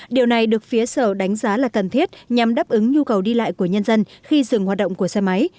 điều này được phía sở đánh giá là cần thiết nhằm đáp ứng nhu cầu đi lại của nhân dân khi dừng hoạt động của xe máy